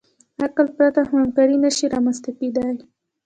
له عقل پرته همکاري نهشي رامنځ ته کېدی.